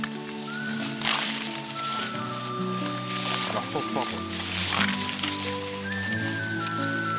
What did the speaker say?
ラストスパート。